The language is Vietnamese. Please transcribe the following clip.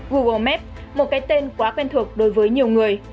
google map một cái tên quá quen thuộc đối với nhiều người